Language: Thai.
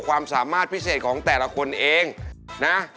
ความสามารถพิเศษของแต่ละคนเองนะ